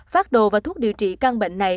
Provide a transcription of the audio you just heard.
phát đồ và thuốc điều trị căng bệnh này